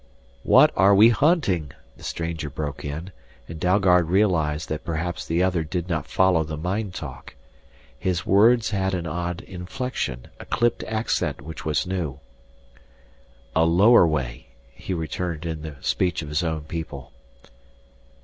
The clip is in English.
"What are we hunting?" the stranger broke in, and Dalgard realized that perhaps the other did not follow the mind talk. His words had an odd inflection, a clipped accent which was new. "A lower way," he returned in the speech of his own people.